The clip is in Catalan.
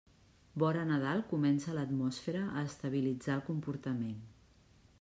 Vora Nadal comença l'atmosfera a estabilitzar el comportament.